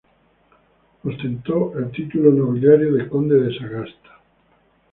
Ostentó el título nobiliario de conde de Sagasta.